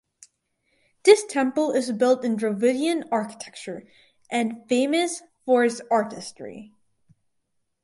This temple is built in Dravidian architecture and famous for its artistry.